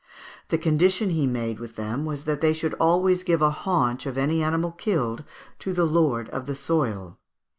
The condition he made with them was that they should always give a haunch of any animal killed to the lord of the soil.